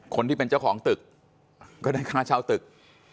คนที่เป็นเจ้าของตึกก็ได้ค่าเช่าตึก